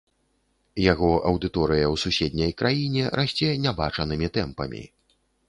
Яго аўдыторыя ў суседняй краіне расце нябачанымі тэмпамі.